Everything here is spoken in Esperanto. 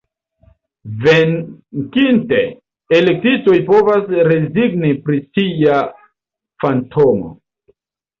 Venkinte, elektitoj povas rezigni pri sia fantomo.